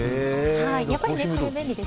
やっぱり、これは便利です。